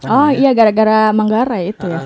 oh iya gara gara manggarai itu ya